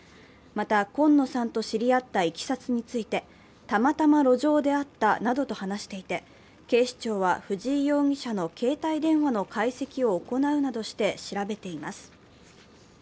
また今野さんと知り合ったいきさつについてたまたま路上で会ったなどと話していて警視庁は藤井容疑者の携帯電話の解析を行うなどして調べています。